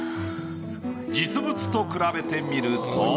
実物と比べてみると。